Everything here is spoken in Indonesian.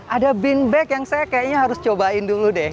ada bin bag yang saya kayaknya harus cobain dulu deh